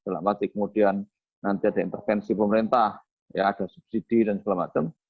nanti kemudian nanti ada intervensi pemerintah ada subsidi dan sebagainya